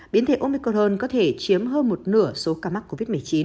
biến thể omicrone có thể chiếm hơn một nửa số ca mắc covid một mươi chín